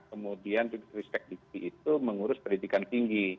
kemudian ristek dikbud itu mengurus pendidikan